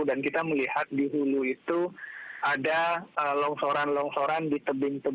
dan kita melihat di hulu itu ada longsoran longsoran di tebing tersebut